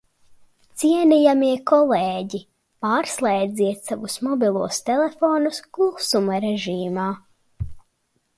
Cienījamie kolēģi, pārslēdziet savus mobilos telefonus klusuma režīmā!